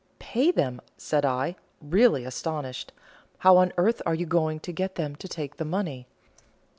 "Pay them!" said I, really astounded; "how on earth are you going to get them to take the money?"